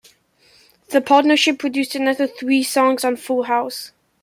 The partnership produced another three songs on "Full House".